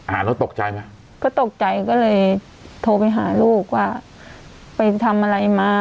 อ่าแล้วตกใจไหมก็ตกใจก็เลยโทรไปหาลูกว่าไปทำอะไรมา